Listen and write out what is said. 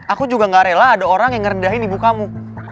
aku juga gak rela ada orang yang ngerendahin ibu kamu